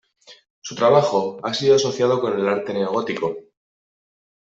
Su trabajo ha sido asociado con el arte neogótico